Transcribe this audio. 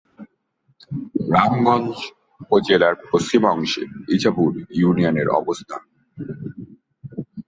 রামগঞ্জ উপজেলার পশ্চিমাংশে ইছাপুর ইউনিয়নের অবস্থান।